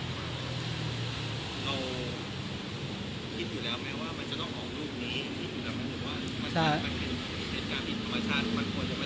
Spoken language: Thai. เราคิดอยู่แล้วไหมว่ามันจะต้องออกรูปนี้